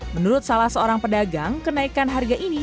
menurut salah seorang pedagang kenaikan harga ini